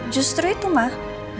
justru itu mak